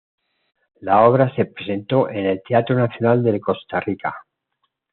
La obra se presentó en el Teatro Nacional de Costa Rica.